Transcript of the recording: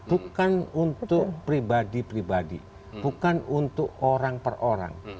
bukan untuk pribadi pribadi bukan untuk orang per orang